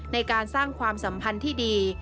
ในการสร้างความสัมพันธ์ที่ดี